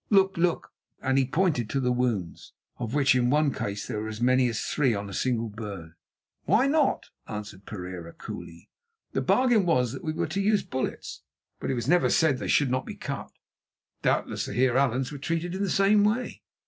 Look, look!" and he pointed to the wounds, of which in one case there were as many as three on a single bird. "Why not?" answered Pereira coolly. "The bargain was that we were to use bullets, but it was never said that they should not be cut. Doubtless the Heer Allan's were treated in the same way."